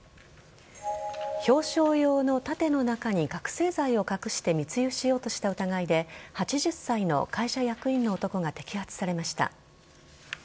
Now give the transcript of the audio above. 表彰用の盾の中に覚醒剤を隠して密輸しようとした疑いで８０歳の会社役員の男が摘発されました。